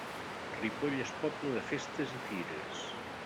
Ripoll és poble de festes i fires.